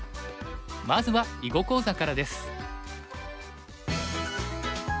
まずは囲碁講座からです。